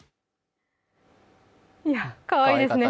かわいいですね